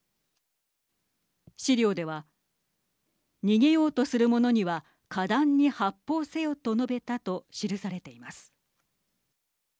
資料では逃げようとするものには果断に発砲せよと述べたと記されています。